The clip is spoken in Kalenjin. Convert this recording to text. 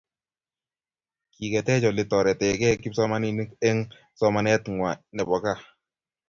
Kiketech oletoretekei kipsomaninik eng somanet ngwai nebo gaa